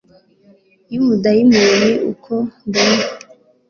Yumudayimoni uko mbona